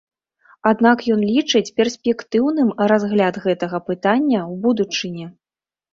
Аднак ён лічыць перспектыўным разгляд гэтага пытання ў будучыні.